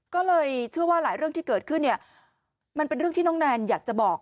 ก็เลยเชื่อว่าหลายเรื่องที่เกิดขึ้นเนี่ยมันเป็นเรื่องที่น้องแนนอยากจะบอก